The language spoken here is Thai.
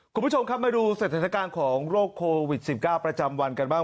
คุณผู้ชมครับมาดูสถานการณ์ของโรคโควิด๑๙ประจำวันกันบ้าง